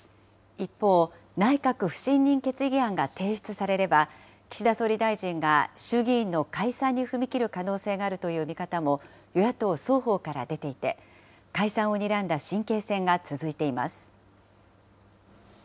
一方、内閣不信任決議案が提出されれば、岸田総理大臣が衆議院の解散に踏み切る可能性があるという見方も与野党双方から出ていて、解散をにらんだ神経戦が続いています。